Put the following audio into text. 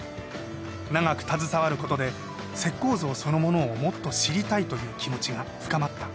長く携わることで石膏像そのものをもっと知りたいという気持ちが深まった。